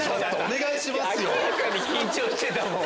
明らかに緊張してたもん。